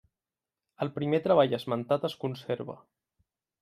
El primer treball esmentat es conserva.